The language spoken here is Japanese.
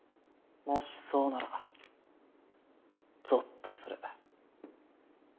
もしそうならぞっとする。